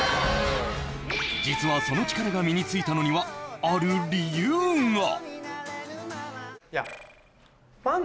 実はその力が身についたのにはある理由が！？